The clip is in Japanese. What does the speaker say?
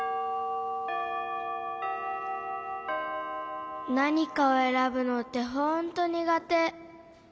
心の声何かをえらぶのってほんとにがて。